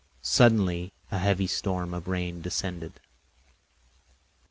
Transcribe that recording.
Suddenly a heavy storm of rain descended.